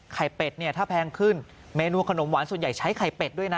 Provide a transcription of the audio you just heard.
เป็ดเนี่ยถ้าแพงขึ้นเมนูขนมหวานส่วนใหญ่ใช้ไข่เป็ดด้วยนะ